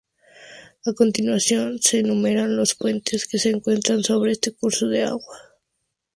A continuación se enumeran los puentes que se encuentran sobre este curso de agua.